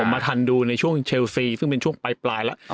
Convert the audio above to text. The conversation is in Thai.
ผมมาทันดูในช่วงซึ่งเป็นช่วงไปปลายแล้วอ๋อ